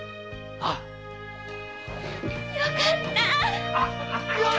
よかったぁ！